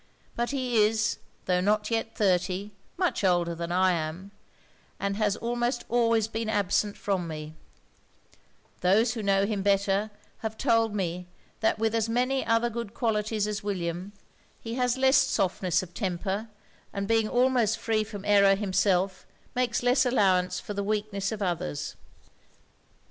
But he is, tho' not yet thirty, much older than I am, and has almost always been absent from me; those who know him better, have told me, that with as many other good qualities as William, he has less softness of temper; and being almost free from error himself, makes less allowance for the weakness of others.